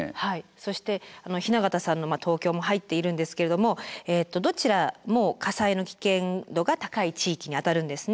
そして雛形さんの東京も入っているんですけれどもどちらも火災の危険度が高い地域にあたるんですね。